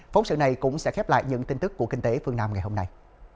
phóng sự này cũng sẽ khép lại những tin tức của kinh tế phương nam ngày hôm nay